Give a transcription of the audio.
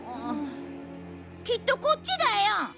きっとこっちだよ。